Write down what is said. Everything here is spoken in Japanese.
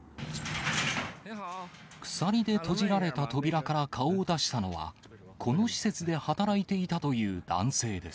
鎖で閉じられた扉から顔を出したのは、この施設で働いていたという男性です。